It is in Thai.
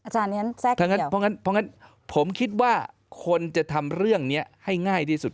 เพราะฉะนั้นผมคิดว่าคนจะทำเรื่องนี้ให้ง่ายที่สุด